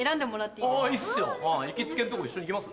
行きつけのとこ一緒に行きます？